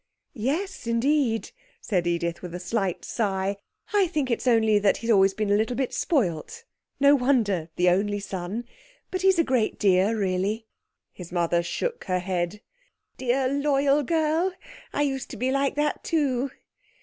'Yes, indeed,' said Edith, with a slight sigh. 'I think it's only that he's always been a little bit spoilt. No wonder, the only son! But he's a great dear, really.' His mother shook her head. 'Dear loyal girl! I used to be like that too.